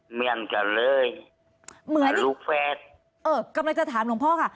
เหมือนกันเลยเหมือนลูกแฝดเออกำลังจะถามหลวงพ่อค่ะ